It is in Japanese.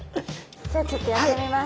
じゃあちょっとやってみます。